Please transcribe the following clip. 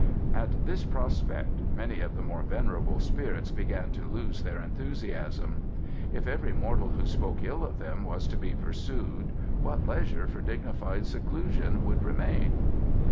'" At this prospect many of the more venerable spirits began to lose their enthusiasm. If every mortal who spoke ill of them was to be pursued what leisure for dignified seclusion would remain?